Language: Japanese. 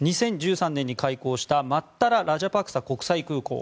２０１３年に開港したマッタラ・ラジャパクサ国際空港。